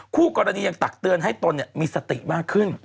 คู่กรณียังตักเตือนให้ตนมีสติมากขึ้น